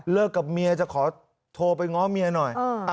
กับเมียจะขอโทรไปง้อเมียหน่อย